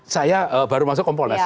saya baru masuk komponas ya